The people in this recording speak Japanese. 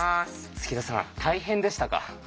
杉田さん大変でしたか？